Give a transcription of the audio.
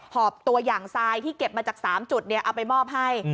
หอบตัวอย่างทรายที่เก็บมาจาก๓จุดเอาไปมอบให้